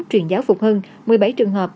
truyền giáo phục hưng một mươi bảy trường hợp